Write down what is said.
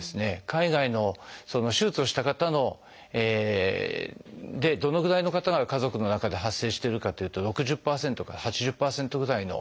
海外の手術をした方でどのぐらいの方が家族の中で発生してるかというと６０％から８０％ぐらいの。